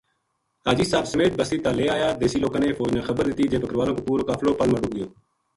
حاجی صاحب سمیت بستی تا لے آیا دیسی لوکاں نے فوج نا خبر دِتی جے بکرالاں کو پورو قافلو پل ما ڈُب گیو